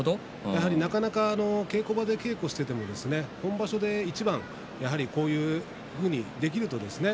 なかなか稽古場で稽古してても本場所で一番こういうふうにできるとですね